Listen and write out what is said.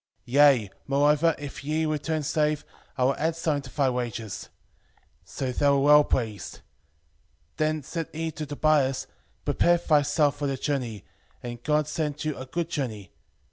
5:15 Yea, moreover, if ye return safe, I will add something to thy wages. 5:16 So they were well pleased. Then said he to Tobias, Prepare thyself for the journey, and God send you a good journey.